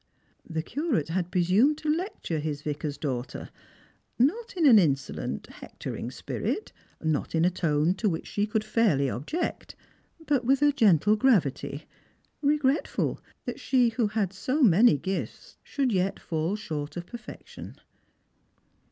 The Curate had presumed to lecture his Yicar's daughter, not in an insolent hectoring spirit, not in a tone to which she could fairly object, but with a gentle gravity, regretful that she who had so many gifts should yet fall short of perfection.